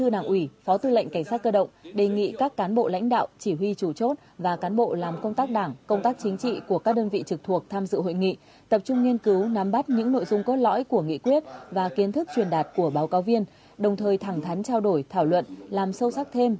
đảng ủy bộ tự lệnh cảnh sát cơ động đã tổ chức hội nghị trực tuyến học tập quán triển và triển khai thực hiện các nghị quyết hội nghị lần thứ một mươi năm hai nghìn hai mươi